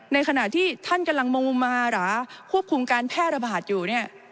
ในขณะที่ท่านกำลังมุมมาหราควบคุมการแพร่ระบาดอยู่เนี่ย